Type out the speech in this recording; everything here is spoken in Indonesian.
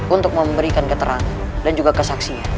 untuk memberikan keterangan dan juga kesaksian